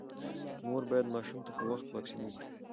مور باید ماشوم ته په وخت واکسین وکړي۔